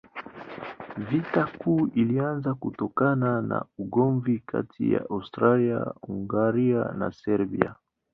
Vita Kuu ilianza kutokana na ugomvi kati ya Austria-Hungaria na Serbia.